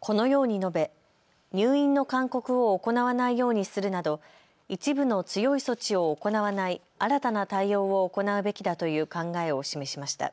このように述べ入院の勧告を行わないようにするなど一部の強い措置を行わない新たな対応を行うべきだという考えを示しました。